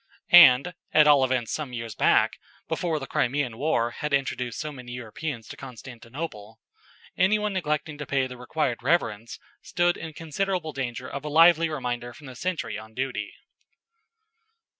And at all events some years back, before the Crimean war had introduced so many Europeans to Constantinople any one neglecting to pay the required reverence, stood in considerable danger of a lively reminder from the sentry on duty.